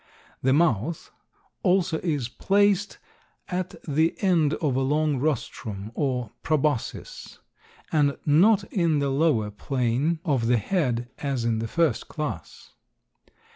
The mouth, also, is placed at the end of a long rostrum, or proboscis, and not in the lower plane of the head, as in the first class.